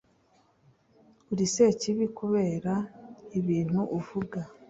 uri sekibi kubera ibintu uvuga